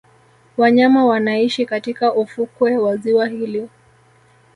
Wanyama wanaishi katika ufukwe wa ziwa hili